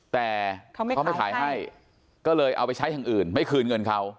แต่เขาไม่ขายให้ก็เลยเอาไปใช้อย่างอื่นไม่คืนเงินเขา